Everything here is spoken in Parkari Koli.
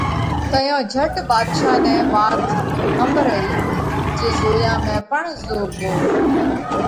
تئيون جھٽ ڀاڌشا نئہ وات ۿمڀرئِي جي زويا ۾ پڻ زووَو۔